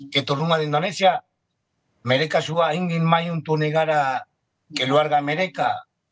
keturunan di indonesia mereka sudah ingin maju untuk negara keluarga mereka